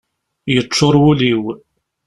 Yeččur wul-iw.